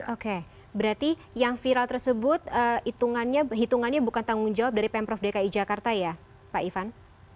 oke berarti yang viral tersebut hitungannya bukan tanggung jawab dari pemprov dki jakarta ya pak ivan